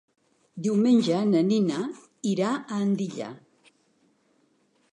Diumenge na Nina irà a Andilla.